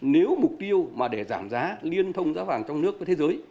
nếu mục tiêu mà để giảm giá liên thông giá vàng trong nước với thế giới